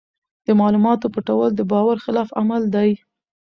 د معلوماتو پټول د باور خلاف عمل دی.